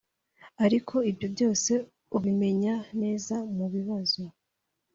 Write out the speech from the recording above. aliko ibyo byose ubimenya neza mu bibazo